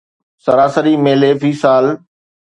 سراسري ميلي في سال